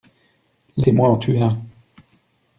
Laissez-moi en tuer un!